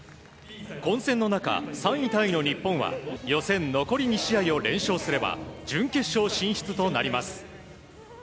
混戦の中、３位タイの日本は予選残り２試合を連勝すれば準決勝進出となります。